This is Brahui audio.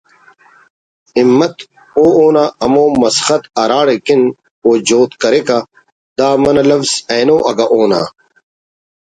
”ہمت“ و اونا ہمو مسخت ہراڑکن او جہد کریکہ دا منہ لوز اینو اگہ اونا